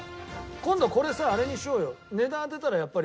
今度これさあれにしようよ。